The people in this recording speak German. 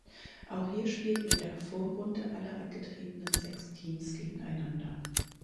Auch hier spielten in der Vorrunde alle angetretenen sechs Teams gegeneinander.